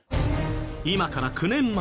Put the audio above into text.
今から９年前